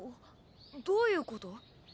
どういうこと？